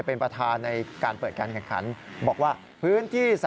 เป็นประธาในการเปิดการบอกว่าพื้นที่๓